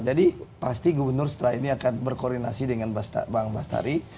jadi pasti gubernur setelah ini akan berkoordinasi dengan bang bastari